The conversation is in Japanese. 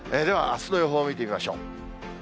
では、あすの予報を見てみましょう。